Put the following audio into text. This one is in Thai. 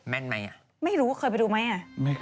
แม่นไหมอ่ะไม่รู้ว่าเคยไปดูไหมอ่ะ